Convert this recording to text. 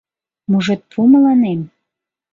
— Мужед пу мыланем.